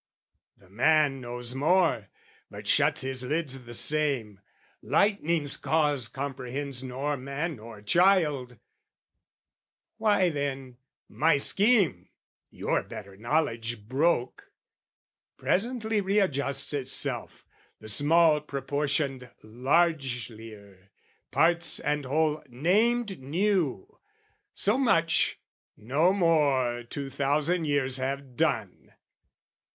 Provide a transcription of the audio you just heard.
"The man knows more, but shuts his lids the same: "Lightning's cause comprehends nor man nor child "Why then, my scheme, your better knowledge broke, "Presently readjusts itself, the small "Proportioned largelier, parts and whole named new: "So much, no more two thousand years have done!